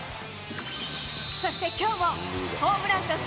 そしてきょうも、ホームランとス